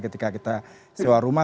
ketika kita sewa rumah